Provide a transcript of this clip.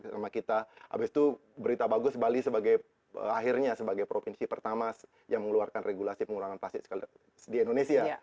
sama kita habis itu berita bagus bali sebagai akhirnya sebagai provinsi pertama yang mengeluarkan regulasi pengurangan plastik di indonesia